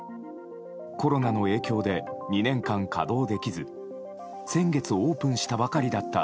コロナの影響で２年間、稼働できず先月オープンしたばかりだった